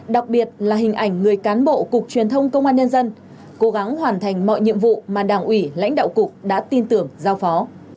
đặc biệt là hình ảnh người cán bộ cục truyền thông công an nhân dân cố gắng hoàn thành mọi nhiệm vụ mà đảng ủy lãnh đạo cục đã tin tưởng giao phó